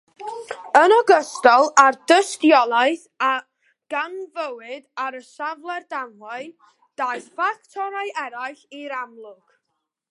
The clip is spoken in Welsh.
Yn ogystal â'r dystiolaeth a ganfuwyd ar safle'r ddamwain, daeth ffactorau eraill i'r amlwg.